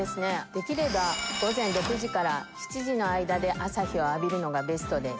できれば午前６時から７時の間で朝日を浴びるのがベストです。